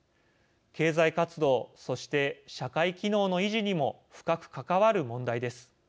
経済活動そして、社会機能の維持にも深く関わる問題です。